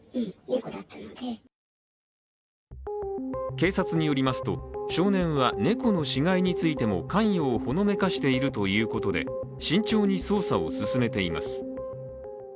警察によりますと、少年は猫の死骸についても関与をほのめかしているということで慎重に捜査を進めています。